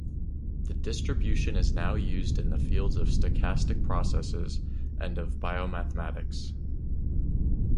The distribution is now used in the fields of stochastic processes and of biomathematics.